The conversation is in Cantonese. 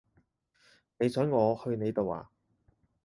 你想我去你度呀？